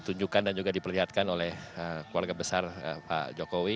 tunjukkan dan juga diperlihatkan oleh keluarga besar pak jokowi